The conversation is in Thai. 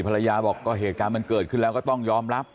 ภรรยาบอกก็เหตุการณ์มันเกิดขึ้นแล้วก็ต้องยอมรับ